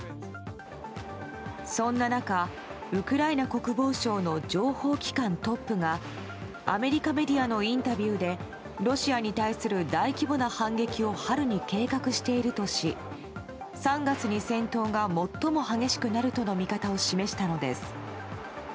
そんな中、ウクライナ国防省の情報機関トップがアメリカメディアのインタビューでロシアに対する大規模な反撃を春に計画しているとし３月に戦闘が最も激しくなるとの見方を示したのです。